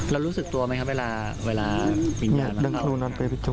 เรารู้สึกตัวไหมครับเวลาวิญญาณมาเข้า